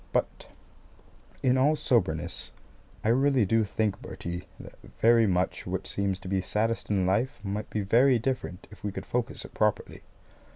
But in all soberness, I really do think, Bertie, that very much which seems to be saddest in life might be very different if we could focus it properly.